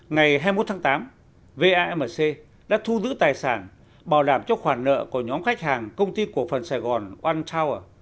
ngày hai mươi một tháng tám vamc đã thu giữ tài sản bảo đảm cho khoản nợ của nhóm khách hàng công ty cổ phần sài gòn oan tower